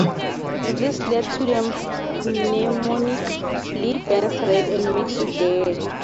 This led to the mnemonic, Lead burns red and makes you dead.